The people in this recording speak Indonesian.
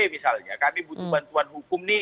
misalnya kami butuh bantuan hukum nih